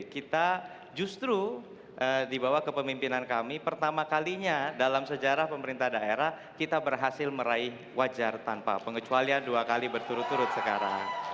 kita justru dibawa ke pemimpinan kami pertama kalinya dalam sejarah pemerintah daerah kita berhasil meraih wajar tanpa pengecualian dua kali berturut turut sekarang